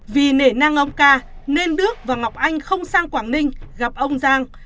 vì nể nang ông ca nên đức và ngọc anh không sang quảng ninh gặp ông giang